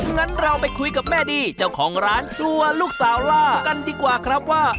งั้นเราไปคุยกับแม่ดีเจ้าของร้านครัวลูกสาวล่ากันดีกว่าครับว่า